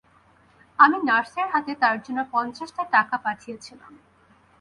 আমি নার্সের হাতে তার জন্যে পঞ্চাশটা টাকা পাঠিয়েছিলাম।